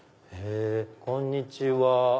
こんにちは！